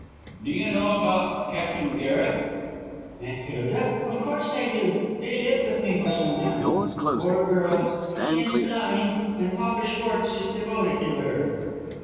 "Do you know about Captain Garret?" "And Hilda? Of course I do. They lived with me for some time. Poor girl, she is blind, and Papa Schwartz is devoted to her."